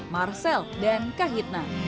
marcel dan kahitna